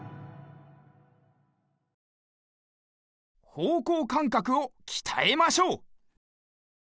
ほうこうかんかくをきたえましょう。